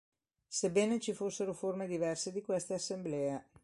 Sebbene ci fossero forme diverse di queste assemblee.